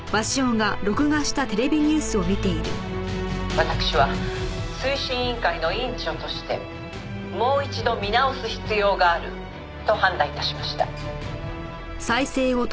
「私は推進委員会の委員長としてもう一度見直す必要があると判断致しました」